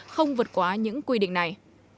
không vượt quá những quy định này